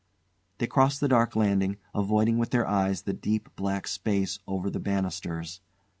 They crossed the dark landing, avoiding with their eyes the deep black space over the banisters.